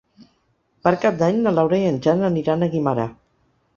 Per Cap d'Any na Laura i en Jan aniran a Guimerà.